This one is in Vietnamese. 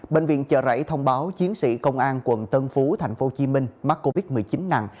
bệnh viện chờ rảy thông báo chiến sĩ công an quận tân phú thành phố hồ chí minh mắc covid một mươi chín nặng